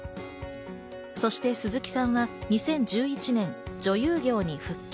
そして、鈴木さんは２０１１年、女優業に復帰。